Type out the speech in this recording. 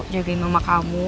jagain mama kamu